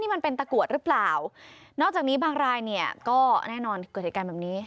มันเป็นตะกรวดหรือเปล่านอกจากนี้บางรายเนี่ยก็แน่นอนเกิดเหตุการณ์แบบนี้